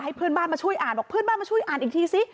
เพื่อนบ้านมาช่วยอ่านบอกเพื่อนบ้านมาช่วยอ่านอีกทีซิ